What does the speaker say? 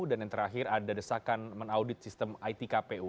dan yang terakhir ada desakan menaudit sistem it kpu